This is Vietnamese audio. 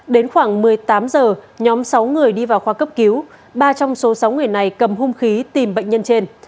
đến khoảng một mươi tám h nhóm sáu người đi vào khoa cấp cứu ba trong số sáu người này cầm hung khí tìm bệnh nhân trên